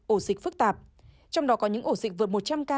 ổ dịch phức tạp trong đó có những ổ dịch vượt một trăm linh ca